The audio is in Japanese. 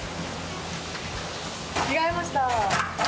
着替えました。